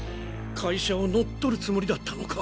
会社を乗っ取るつもりだったのか。